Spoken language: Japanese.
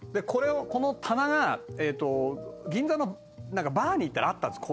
この棚が銀座のバーに行ったらあったんです。